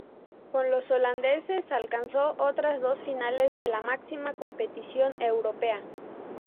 Con los holandeses alcanzó otras dos finales de la máxima competición europea.